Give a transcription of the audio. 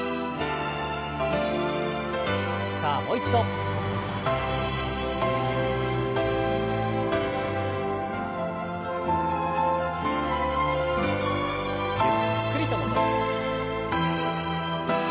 さあもう一度。ゆっくりと戻して。